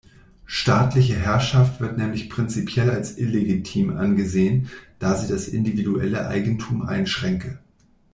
Staatliche Herrschaft wird nämlich prinzipiell als illegitim angesehen, da sie das individuelle Eigentum einschränke.